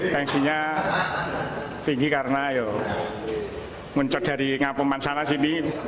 tensinya tinggi karena mencet dari ngapuman sana sini